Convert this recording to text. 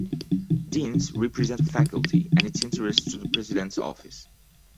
Deans represent a faculty and its interests to the president's office.